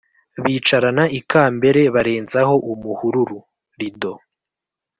bicarana ikambere barenzaho umuhururu(rido)